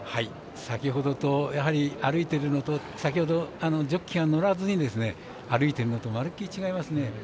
先ほどとやはり歩いているのとジョッキーが乗らずに歩いているのとはまるっきり違いますね。